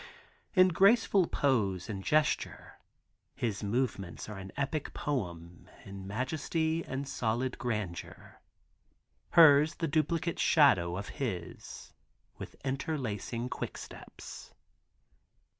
In graceful pose and gesture, his movements are an epic poem in majesty and solid grandeur, hers the duplicate shadow of his, with interlacing quicksteps.